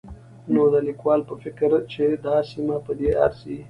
نو د ليکوال په فکر چې دا سيمه په دې ارځي